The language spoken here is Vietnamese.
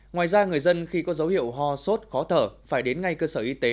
ngoài ra người dân khi có dấu hiệu ho sốt khó thở phải đến ngay cơ sở y tế